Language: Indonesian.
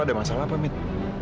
ada masalah apa mit